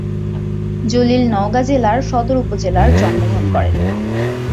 জলিল নওগাঁ জেলার সদর উপজেলার জন্মগ্রহণ করেন।